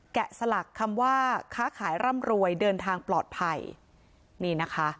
สลักคำว่าค้าขายร่ำรวยเดินทางปลอดภัยนี่นะคะ